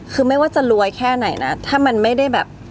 คือไม่ว่าจะรวยแค่ไหนนะ